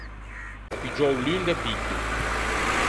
Ò piggiou l’un de picchi.